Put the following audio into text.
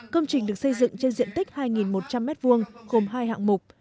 công trình được xây dựng trên diện tích hai một trăm linh m hai gồm hai hạng mục